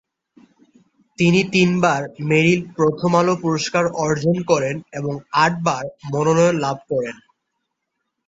তিনি তিনবার মেরিল-প্রথম আলো পুরস্কার অর্জন করেন এবং আটবার মনোনয়ন লাভ করেন।